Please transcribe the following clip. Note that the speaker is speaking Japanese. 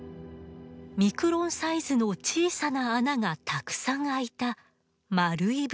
ミクロンサイズの小さな穴がたくさん開いた丸い物体です。